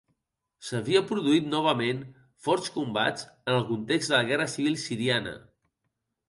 S'havia produït novament forts combats en el context de la Guerra Civil siriana.